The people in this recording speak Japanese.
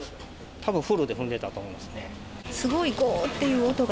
たぶんフルで踏んでたと思いますね。